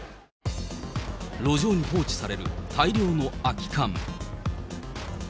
路上に放置される大量の空き缶。